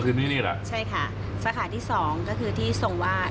คืนนี้นี่เหรอใช่ค่ะสาขาที่สองก็คือที่ทรงวาด